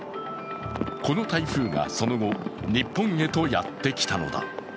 この台風がその後、日本へとやってきたのだ。